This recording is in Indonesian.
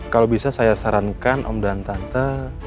kalau bisa saya sarankan om dan tante